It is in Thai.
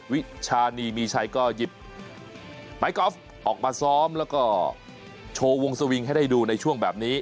วิชานีมีชัยก็หยิบไม้กอล์ฟออกมาซ้อมแล้วก็โชว์วงสวิงให้ได้ดูในช่วงแบบนี้